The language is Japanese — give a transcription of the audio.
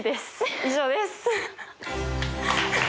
以上です。